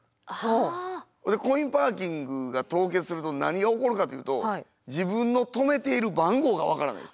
コインパーキングが凍結すると何が起こるかというと自分の止めている番号が分からない。